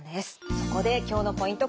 そこで今日のポイント